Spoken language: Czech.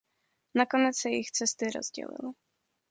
Nakonec se jejich cesty rozdělily.